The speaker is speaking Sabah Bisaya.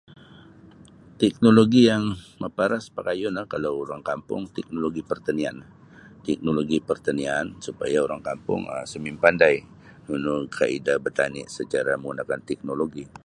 Teknoloji yang maparas pakayun um kalau orang kampung teknoloji pertanian teknoloji pertanian supaya orang kampung um sumimpandai nunu kaedah bertani' secara menggunakan teknologi.